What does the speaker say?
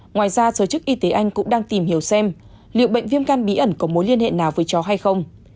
ngoài ra giới chức y tế anh cũng đang tìm hiểu xem liệu bệnh viêm gan bí ẩn có mối liên hệ nào với chó hay không